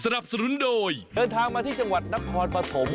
เดินทางมาที่จังหวัดนักพอร์ตปฐม